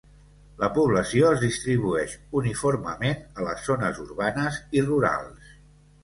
La població es distribueix uniformement a les zones urbanes i rurals.